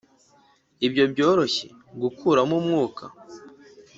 ibyo byoroshye gukuramo umwuka,